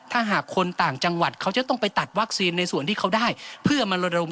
ถ้าหากคนต่างจังหวัดเขาจะต้องไปตัดวัคซีนในส่วนที่เขาได้เพื่อมาระดม